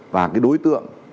và cái đối tượng